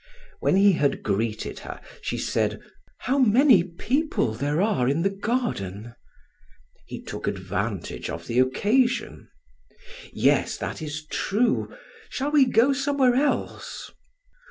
When he had greeted her, she said: "How many people there are in the garden!" He took advantage of the occasion: "Yes, that is true; shall we go somewhere else?"